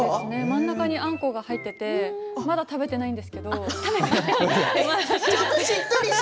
真ん中にあんこが入っていてまだ食べていないんですけど。